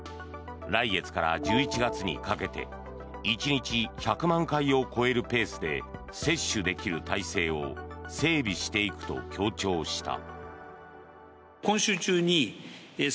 来月から１１月にかけて１日１００万回を超えるペースで接種できる体制を整備していくと強調した。